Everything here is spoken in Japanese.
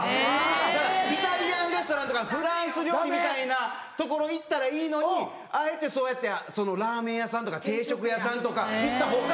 だからイタリアンレストランとかフランス料理みたいなところ行ったらいいのにあえてそうやってラーメン屋さんとか定食屋さんとか行ったほうが。